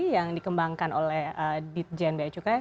yang dikembangkan oleh ditjn bea cukai